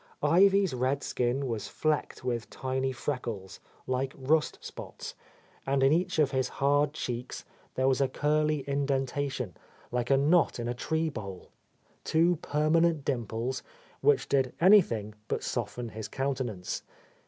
Ivy's red skin was flecked with tiny freckles, like rust spots, and in each of his hard cheeks there was a curly indentation, like a knot in a tree bole, — two permanent dimples which did any thing but soften his countenance.